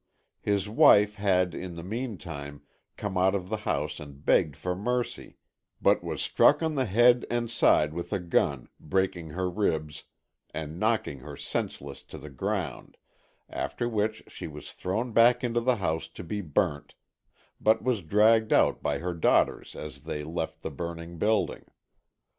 His wife, had, in the meantime, come out of the house and begged for mercy, but was struck on the head and side with a gun, breaking her ribs and knocking her senseless to the ground, after which she was thrown back into the house to be burnt, but was dragged out by her daughters as they left the burning building.